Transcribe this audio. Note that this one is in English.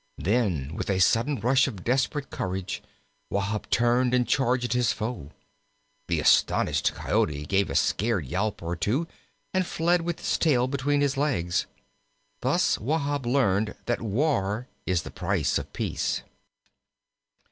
Then with a sudden rush of desperate courage Wahb turned and charged his foe. The astonished Coyote gave a scared yowl or two, and fled with his tail between his legs. Thus Wahb learned that war is the price of peace.